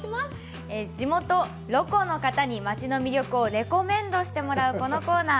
地元、ロコの方に町の魅力をレコメンドしてもらうこのコーナー。